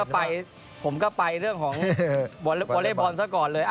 ไปผมก็ไปเรื่องของวอเล็กบอลซะก่อนเลย